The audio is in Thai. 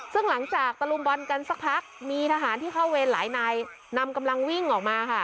ซึ่งหลังจากตะลุมบอลกันสักพักมีทหารที่เข้าเวรหลายนายนำกำลังวิ่งออกมาค่ะ